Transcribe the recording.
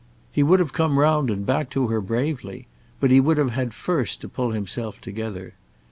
He would have come round and back to her bravely, but he would have had first to pull himself together.